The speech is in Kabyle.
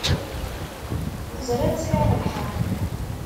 Teẓriḍ sɛiɣ lḥeqq.